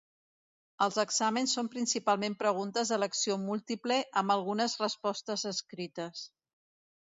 Els exàmens són principalment preguntes d'elecció múltiple, amb algunes respostes escrites.